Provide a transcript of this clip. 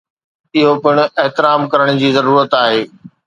اهو پڻ احترام ڪرڻ جي ضرورت آهي.